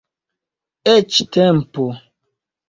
Eĉ tempo.